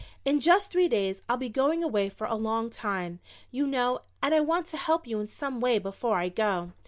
"In just three days I'll be going away for a long time, you know, and I want to help you in some way before I go.